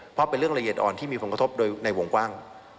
เพราะเป็นเรื่องละเอียดอ่อนที่มีผลกระทบโดยในวงกว้าง